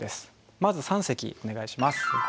まず三席お願いします。